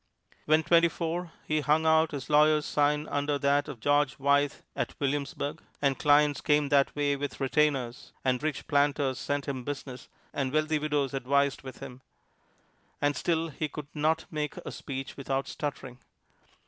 When twenty four, he hung out his lawyer's sign under that of George Wythe at Williamsburg. And clients came that way with retainers, and rich planters sent him business, and wealthy widows advised with him and still he could not make a speech without stuttering.